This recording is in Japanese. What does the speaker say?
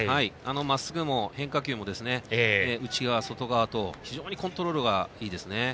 まっすぐも変化球も内側、外側と非常にコントロールがいいですね。